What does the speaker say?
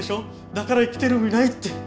だから生きてる意味ないって。